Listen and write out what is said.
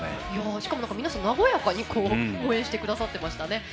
しかも、みんな和やかに応援してくださってましたね。